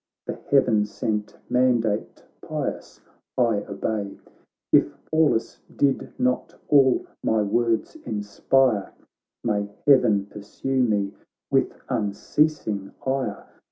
The heaven sent mandate pious I obey. If Pallas did not all my words inspire, May heaven pursue me with unceasing ire